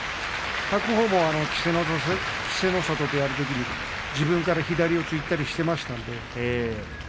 白鵬も稀勢の里とやるときに自分から左四つにいったりしていましたので。